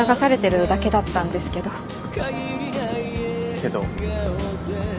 けど？